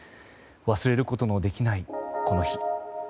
忘れることのできない、この日。